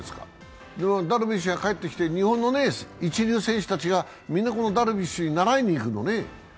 ダルビッシュが帰ってきて、日本の一流選手たちがみんなダルビッシュに習いに行くのね。